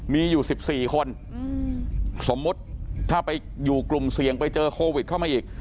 มีอยู่๑๔คนสมมุติถ้าไปอยู่กลุ่มเสี่ยงไปเจอโควิดเข้ามาอีก